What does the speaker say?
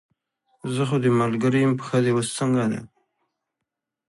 خو زه دې ملګرې یم، پښه دې اوس څنګه ده؟